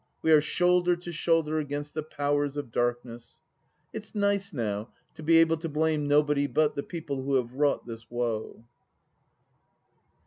We are shoulder to shoulder against the powers of darkness. It's nice, now, to be able to blame nobody but the people who have wrought this woe.